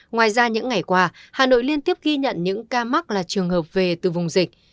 ngoài ra những ngày qua hà nội liên tiếp ghi nhận những ca mắc là trường hợp về từ vùng dịch